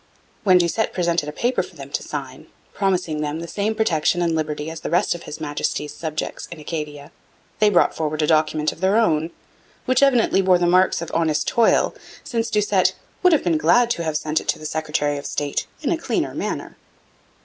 When Doucette presented a paper for them to sign, promising them the same protection and liberty as the rest of His Majesty's subjects in Acadia, they brought forward a document of their own, which evidently bore the marks of honest toil, since Doucette 'would have been glad to have sent' it to the secretary of state 'in a cleaner manner.'